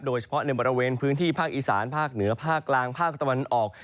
โดยเฉพาะในบริเวณพื้นที่ภาคอีสานภาคเหนือภาคกลางภาคตะวันออก